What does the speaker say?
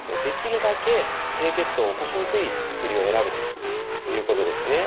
できるだけ低血糖を起こしにくい薬を選ぶということですね。